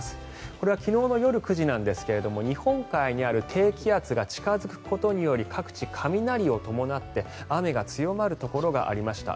これは昨日の夜９時ですが日本海にある低気圧が近付くことにより各地、雷を伴って雨が強まるところがありました。